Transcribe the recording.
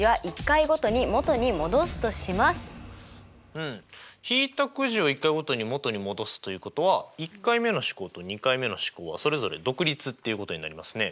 うん引いたくじを１回ごとに元に戻すということは１回目の試行と２回目の試行はそれぞれ独立っていうことになりますね。